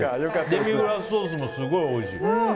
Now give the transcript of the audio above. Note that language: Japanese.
デミグラスソースもすごいおいしい。